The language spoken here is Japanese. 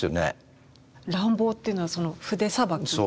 乱暴というのはその筆さばきが？